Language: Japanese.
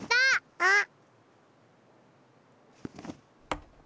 あっ！